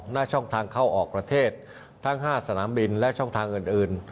หน้าช่องทางเข้าออกประเทศทั้ง๕สนามบินและช่องทางอื่น